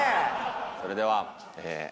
それでは。